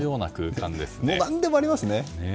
何でもありますね。